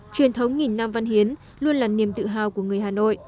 truyền thống nghìn năm văn hiến luôn là niềm tự hào của người hà nội